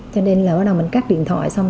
cho nên lỡ đầu mình cắt điện thoại xong